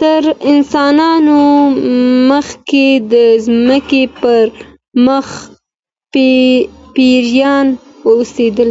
تر انسانانو مخکي د مځکي پر مخ پيريان اوسېدل